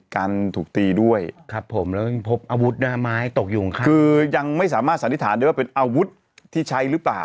การถูกตีด้วยครับผมแล้วยังพบอาวุธนะฮะไม้ตกอยู่ข้างคือยังไม่สามารถสันนิษฐานได้ว่าเป็นอาวุธที่ใช้หรือเปล่า